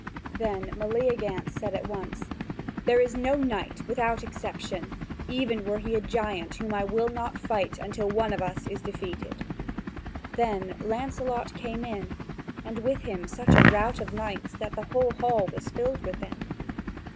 Then Meleagant said at once: "There is no knight without exception, even were he a giant, whom I will not fight until one of us is defeated." Then Lancelot came in, and with him such a rout of knights that the whole hall was filled with them.